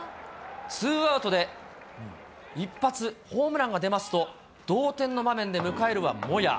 ツーアウトで一発ホームランが出ますと、同点の場面で、迎えるはモヤ。